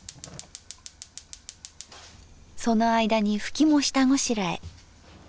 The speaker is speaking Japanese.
その間にふきも下ごしらえ。